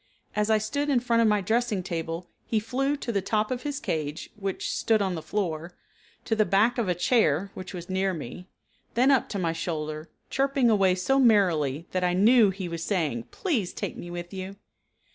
As I stood in front of my dressing table he flew to the top of his cage (which stood on the floor) to the back of a chair (which was near me), then up to my shoulder, chirping away so merrily that I knew he was saying: "Please take me with you."